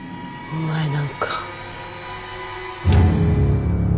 お前なんか。